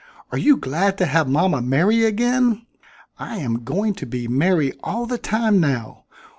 "Are you glad to have mama merry again? I am going to be merry all the time now.